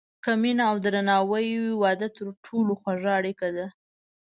که مینه او درناوی وي، واده تر ټولو خوږه اړیکه ده.